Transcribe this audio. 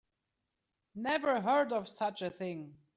Never heard of such a thing.